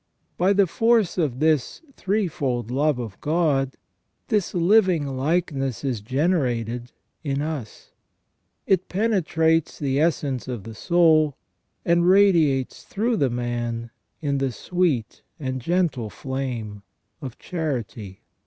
By the force of this threefold love of God, this living likeness is generated in us, it penetrates the essence of the soul, and radiates through the man in the sweet and gentle flame of charity.